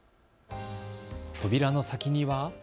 扉の先には。